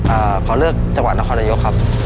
ขอเลือกจังหวัดนครนายกครับ